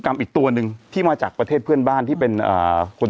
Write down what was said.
อีกตัวหนึ่งที่มาจากประเทศเพื่อนบ้านที่เป็นคน